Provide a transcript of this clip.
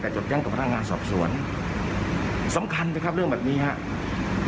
แต่จดยั้งกับพนักงานสอบสวนสำคัญนะครับเรื่องแบบนี้ครับ